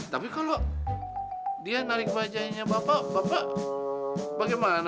tapi kalau dia narik bajainya bapak bapak bagaimana